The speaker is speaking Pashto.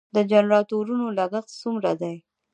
د جنراتورونو لګښت څومره دی؟